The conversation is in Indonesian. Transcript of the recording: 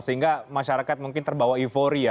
sehingga masyarakat mungkin terbawa euforia